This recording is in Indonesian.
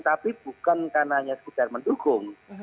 tapi bukan karena hanya sekedar mendukung